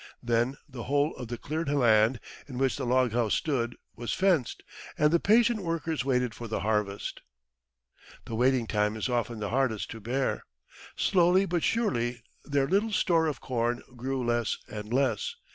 Then the whole of the cleared land, in which the log house stood, was fenced, and the patient workers waited for the harvest. [Illustration: Tom borrowed a horse.] The waiting time is often the hardest to bear. Slowly but surely their little store of corn grew less and less.